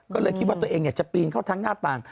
ก็เลยคิดว่าตัวเองจะปีนเข้าทั้งหน้าต่าง